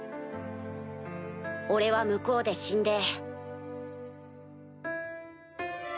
俺は向こうで死んで。